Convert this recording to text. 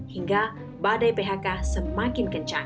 hingga badai phk semakin kencang